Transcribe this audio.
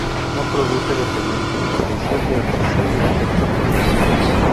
No produce dependencia, potencial de adicción ni efecto tolerancia.